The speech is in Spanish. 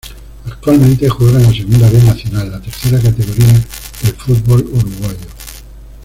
Actualmente juega en la Segunda B Nacional, la tercera categoría del fútbol uruguayo.